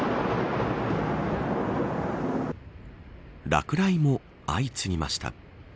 落雷も相次ぎました。